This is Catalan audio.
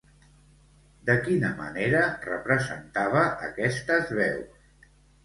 De quina manera representava aquestes veus?